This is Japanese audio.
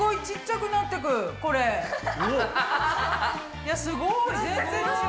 いやすごい。